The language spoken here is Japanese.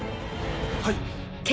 はい！